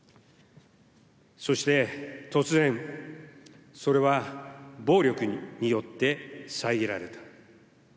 そして突然、それは暴力によってさえぎられた。